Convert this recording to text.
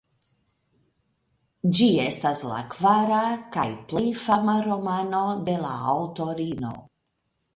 Ĝi estas la kvara kaj plej fama romano de la aŭtorino.